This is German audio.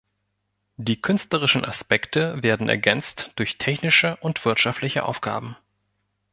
Die künstlerischen Aspekte werden ergänzt durch technische und wirtschaftliche Aufgaben.